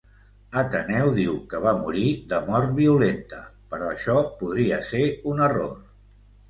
Ateneu diu que va morir de mort violenta, però això podria ser un error.